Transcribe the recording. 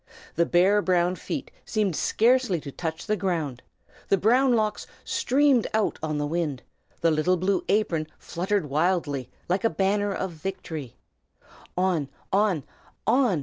The bare brown feet seemed scarcely to touch the ground; the brown locks streamed out on the wind; the little blue apron fluttered wildly, like a banner of victory. On! on! on!